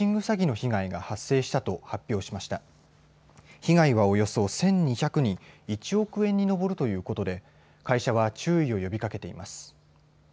被害は、およそ１２００人１億円に上るということで会社は注意を呼びかけています。